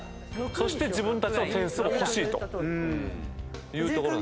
そして自分たちの点数も欲しいというところ。